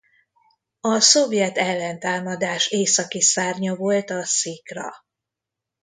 A szovjet ellentámadás északi szárnya volt a Szikra.